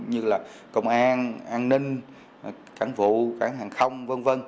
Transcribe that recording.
như là công an an ninh cảng vụ cảng hàng không v v